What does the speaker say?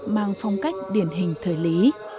mang phong cách điển hình thời lý